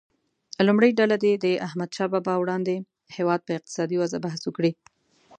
لومړۍ ډله دې د احمدشاه بابا وړاندې هیواد په اقتصادي وضعه بحث وکړي.